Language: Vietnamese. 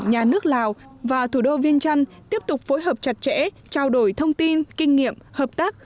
nhà nước lào và thủ đô viên trăn tiếp tục phối hợp chặt chẽ trao đổi thông tin kinh nghiệm hợp tác